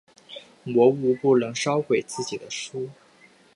魔物不能烧毁自己的书。